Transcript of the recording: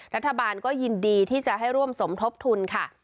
รัฐบาลก็ยินดีที่จะให้ร่วมสมทบทุนค่ะ